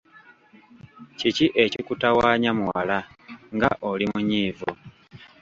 Kiki ekikutawaanya muwala, nga oli munyiivu?